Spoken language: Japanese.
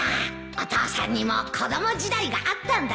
お父さんにも子供時代があったんだね